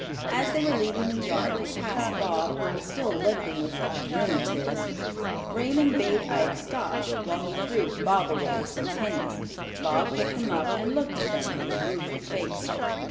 As they were leaving the yard they passed Bob, who was still limping with the "rheumatiz." Raymond bade Ike stop, while he threw "Bobaway" some pennies. Bob picked them up and looked at them with a rueful face.